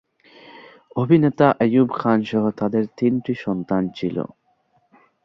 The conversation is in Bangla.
অভিনেতা আইয়ুব খান সহ তাঁদের তিনটি সন্তান ছিল।